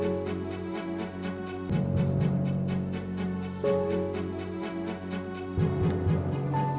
kita lebih mudah deh di depan lagi